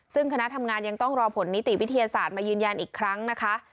ซึ่งคณะทำงานยังต้องรอผลนิติวิทยาศาสตร์มายืนยันอีกครั้งนะคะ